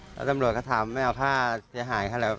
แล้วตำรวจก็ถามไม่เอาค่าเสียหายเขาแล้ว